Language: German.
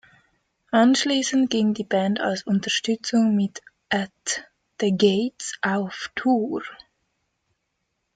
Anschließend ging die Band als Unterstützung mit At the Gates auf Tour.